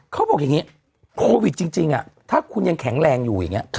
เขาบอกอย่างนี้โควิดจริงถ้าคุณยังแข็งแรงอยู่อย่างนี้